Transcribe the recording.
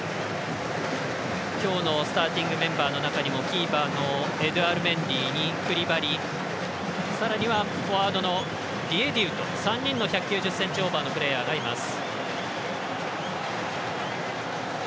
今日のスターティングメンバーの中にもキーパーのエドゥアール・メンディにクリバリ、さらにはフォワードのディエディウと３人の１９０ｃｍオーバーの選手がいます。